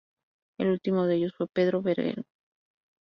El último de ellos fue Pedro Berenguer.